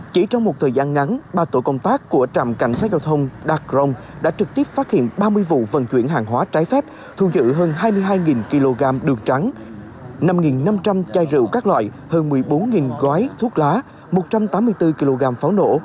chỉ trong một thời gian ngắn ba tổ công tác của trạm cảnh sát giao thông đạc rồng đã trực tiếp phát hiện ba mươi vụ vận chuyển hàng hóa trái phép thu giữ hơn hai mươi hai kg đường trắng năm năm trăm linh chai rượu các loại hơn một mươi bốn gói thuốc lá một trăm tám mươi bốn kg pháo nổ